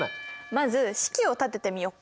まず式を立ててみよっか。